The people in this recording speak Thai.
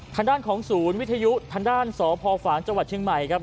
ทางด้านของศูนย์วิทยุทางด้านสพฝางจังหวัดเชียงใหม่ครับ